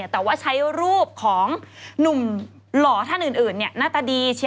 แต่ว่าใช้รูปของหนุ่มหล่อท่านอื่นหน้าตาดี